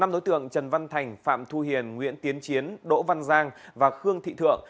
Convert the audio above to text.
năm đối tượng trần văn thành phạm thu hiền nguyễn tiến chiến đỗ văn giang và khương thị thượng